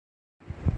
لیکن یہ کرے گا۔